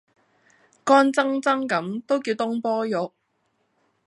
乾爭爭咁都叫東坡肉